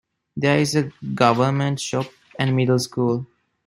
There is a government shop and middle school.